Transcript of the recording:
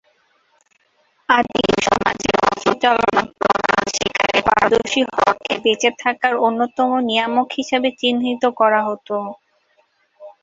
আদিম সমাজে অস্ত্র চালনা করা, শিকারে পারদর্শী হওয়াকে বেঁচে থাকার অন্যতম নিয়ামক হিসেবে চিহ্নিত করা হত।